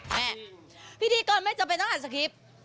พิธีกรไม่จำเป็นต้องอ่านสคริปต์